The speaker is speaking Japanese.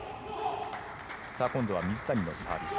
今度は水谷のサービス。